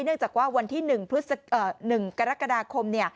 เนื่องจากว่าวันที่๑กรกฎาคม